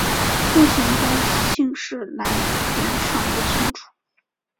目前该姓氏来源尚不清楚。